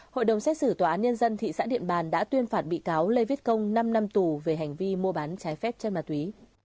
hội đồng xét xử tòa án nhân dân thị xã điện bàn đã tuyên phạt bị cáo lê viết công năm năm tù về hành vi mua bán trái phép chất ma túy